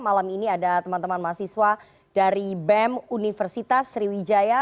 malam ini ada teman teman mahasiswa dari bem universitas sriwijaya